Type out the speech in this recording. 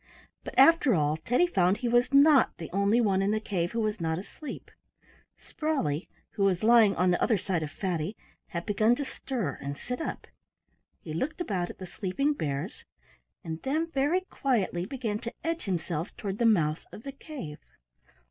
But after all Teddy found he was not the only one in the cave who was not asleep. Sprawley, who was lying on the other side of Fatty, had began to stir and sit up; he looked about at the sleeping bears, and then very quietly began to edge himself toward the mouth of the cave.